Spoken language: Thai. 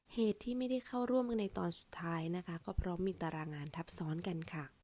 เหตุที่ไม่ได้เข้าร่วมในตอนสุดท้ายนะคะก็เพราะมีตารางงานทับซ้อนกันค่ะ